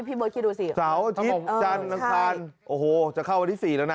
พี่เบิร์ดคิดดูสิเสาร์อาทิตย์จันทร์อังคารโอ้โหจะเข้าวันที่๔แล้วนะ